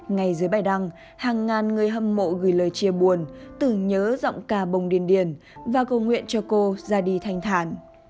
ngay dưới bài đăng hàng ngàn người hâm mộ gửi lời chia buồn tưởng nhớ giọng ca bông điên điên và cầu nguyện cho cô ra đi thanh thản